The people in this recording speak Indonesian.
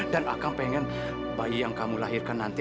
dan akang pengen bayi yang kamu lahirkan nanti